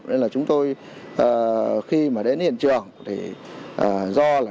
nên là chúng tôi khi mà đến hiện trường thì do là